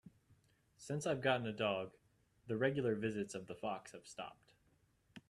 Since I've gotten a dog, the regular visits of the fox have stopped.